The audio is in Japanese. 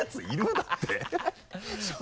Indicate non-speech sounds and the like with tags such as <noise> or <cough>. だって <laughs>